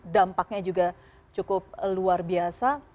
dampaknya juga cukup luar biasa